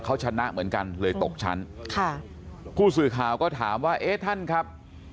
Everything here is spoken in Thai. เขาชนะเหมือนกันเลยตกชั้นค่ะผู้สื่อข่าวก็ถามว่าเอ๊ะท่านครับ